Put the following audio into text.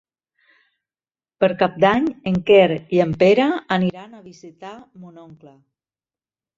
Per Cap d'Any en Quer i en Pere aniran a visitar mon oncle.